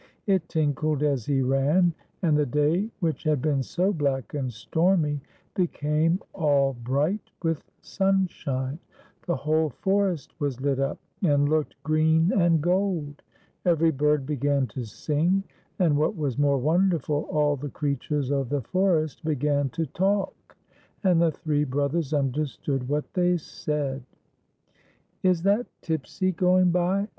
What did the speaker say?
It tinkled as he ran ; and the day, which had been so black and stormy, became all bright with sunshine ; the whole forest was lit up and looked green and gold ; every bird began to sing ; and, what was more wonderful, all the creatures of the forest began to talk, and the three brothers understood what they said. " Is that Tipsy going by